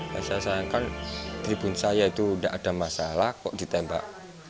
saya sayangkan tribun saya itu tidak ada masalah kok ditembak